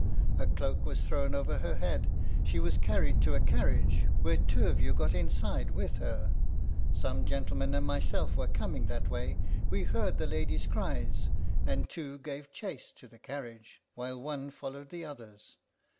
A cloak was thrown over her head, she was carried to a carriage, where two of you got inside with her. Some gentlemen and myself were coming that way. We heard the lady's cries, and two gave chase to the carriage, while one followed the others.